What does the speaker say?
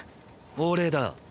俺だ。